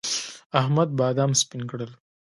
احمد بادام سپين کړل.